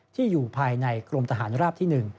ที่อยู่ภายในกรมทหารราบที่หนึ่ง